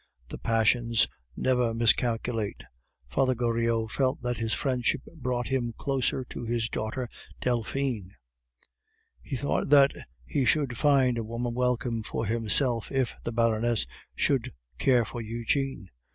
The passions never miscalculate. Father Goriot felt that this friendship brought him closer to his daughter Delphine; he thought that he should find a warmer welcome for himself if the Baroness should care for Eugene.